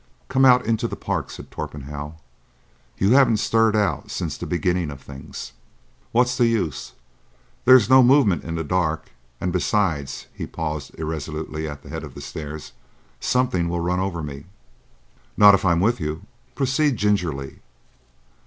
"Come out into the Park," said Torpenhow. "You haven't stirred out since the beginning of things." "What's the use? There's no movement in the dark; and, besides,"—he paused irresolutely at the head of the stairs,—"something will run over me." "Not if I'm with you. Proceed gingerly."